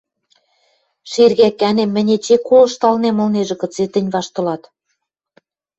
— Шергӓкӓнем, мӹнь эче колышталнем ылнежӹ, кыце тӹнь ваштылат...